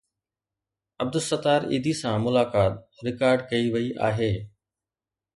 عبدالستار ايڌي سان ملاقات رڪارڊ ڪئي وئي آهي.